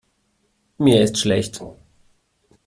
Mir ist schlecht.